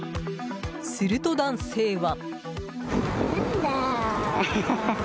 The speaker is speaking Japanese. すると、男性は。